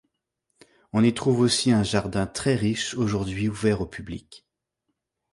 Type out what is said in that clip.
On y trouve aussi un jardin très riche aujourd'hui ouvert au public.